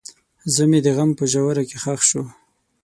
زړه مې د غم په ژوره کې ښخ شو.